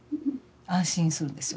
安心するんですよ。